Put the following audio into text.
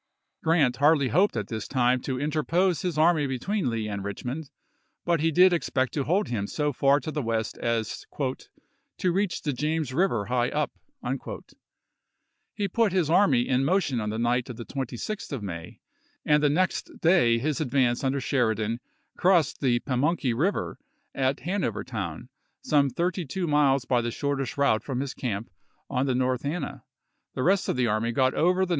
Grant hardly hoped at this time to interpose his army between Lee and Eichmond, but he did ex pect to hold him so far to the West as " to reach Ibid, p. 252. the James River high up." He put his army in 1864. motion on the night of the 26th of May, and the next day his advance under Sheridan crossed the Pamunkey River, at Hanover Town, some thirty two miles by the shortest route from his camp on the SPOTSYLVANIA AND COLD HAEBOR 391 North Anna; the rest of the army got over the chap.